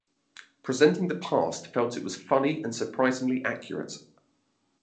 Presenting the Past felt it was "funny and surprisingly accurate".